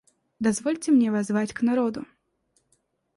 Дозвольте мне воззвать к народу.